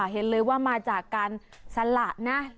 เห็นเลยว่ามาจากการสละนะ